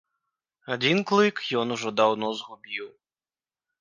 Адзін клык ён ужо даўно згубіў.